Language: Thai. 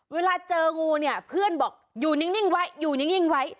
เวลาเจองูเนี่ยเพื่อนบอกอยู่นิ่งไว้อยู่นิ่งไว้